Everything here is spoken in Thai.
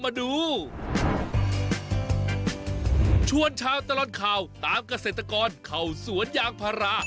มาดูชวนชาวตลอดข่าวตามเกษตรกรเข้าสวนยางพารา